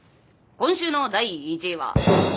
今週の第１位は。